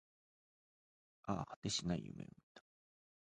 ああ、果てしない夢を見た